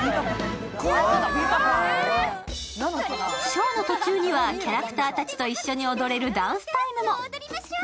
ショーの途中にはキャラクターたちと一緒に踊れるダンスタイムも。